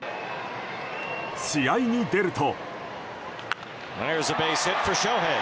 試合に出ると。